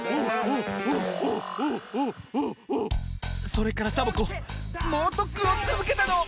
それからサボ子もうとっくんをつづけたの！